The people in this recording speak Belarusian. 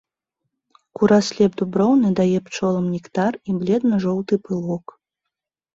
Кураслеп дуброўны дае пчолам нектар і бледна-жоўты пылок.